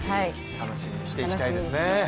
楽しみにしたいですね。